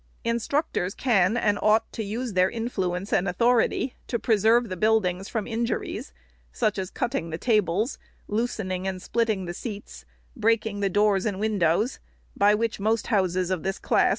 Instruct ors can and ought to use their influence and authority to preserve the buildings from injuries, such as cutting the tables, loosening and splitting the seats, breaking the doors and windows, by which most houses of this class ON SCHOOLHOUSE8.